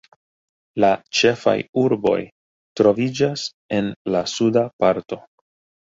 La ĉefaj urboj troviĝas en la suda parto.